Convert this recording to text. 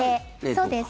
そうです。